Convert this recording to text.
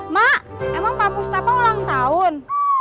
mak emang pak pustapa ulang tahun